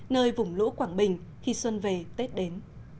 nơi vùng lũ quảng bình khi xuân về tết đến